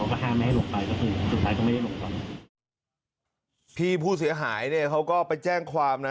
ก็คือสุดท้ายก็ไม่ได้ลงก่อนพี่ผู้เสียหายเนี่ยเขาก็ไปแจ้งความน่ะ